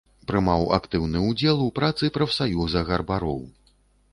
Прымаў актыўны ўдзел у працы прафсаюза гарбароў.